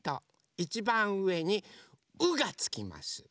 いちばんうえに「う」がつきます。